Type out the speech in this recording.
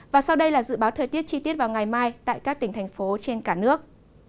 và sau đây là dự báo thời tiết chi tiết vào ngày mai tại các tỉnh thành phố trên cả nước